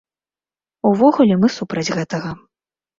Увогуле, мы супраць гэтага.